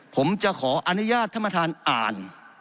ผมจะขออนุญาตท่านประธานอ่าน